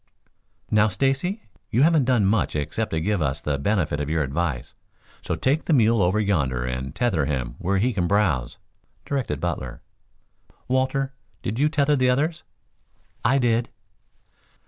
"Now, Stacy, you haven't done much except to give us the benefit of your advice, so take the mule over yonder and tether him where he can browse," directed Butler. "Walter, did you tether the others?" "I did."